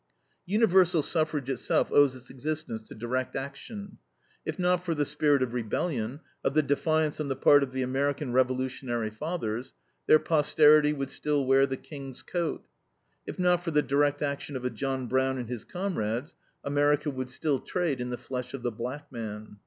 Universal suffrage itself owes its existence to direct action. If not for the spirit of rebellion, of the defiance on the part of the American revolutionary fathers, their posterity would still wear the King's coat. If not for the direct action of a John Brown and his comrades, America would still trade in the flesh of the black man.